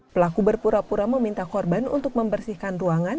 pelaku berpura pura meminta korban untuk membersihkan ruangan